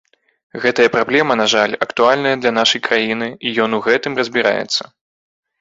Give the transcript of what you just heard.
Гэтая праблема, на жаль, актуальная для нашай краіны, і ён у гэтым разбіраецца.